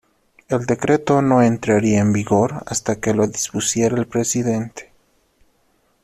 El decreto no entraría en vigor hasta que lo dispusiera el presidente.